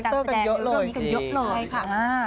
การแสดงเรื่องนี้กันเยอะหล่อย